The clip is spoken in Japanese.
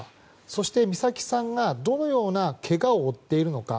そして、美咲さんがどのようなけがを負っているのか。